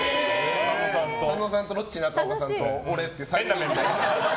佐野さんとロッチ中岡さんと俺という３人で。